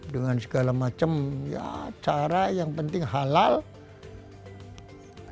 dengan segala macam ya cara yang penting halal target sekian lama harus bisa bangun rumah